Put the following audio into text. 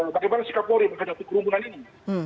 bagaimana sikap polri menghadapi kerumunan ini